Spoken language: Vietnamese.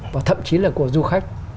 và thậm chí là của du khách